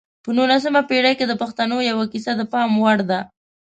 په نولسمه پېړۍ کې د پښتنو یوه کیسه د پام وړ ده.